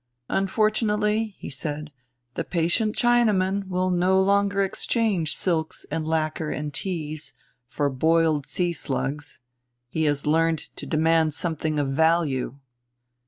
"Unfortunately," he said, "the patient Chinaman will no longer exchange silks and lacquer and teas for boiled sea slugs. He has learned to demand something of value."